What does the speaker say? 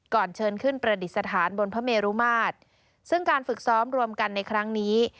เชิญขึ้นประดิษฐานบนพระเมรุมาตรซึ่งการฝึกซ้อมรวมกันในครั้งนี้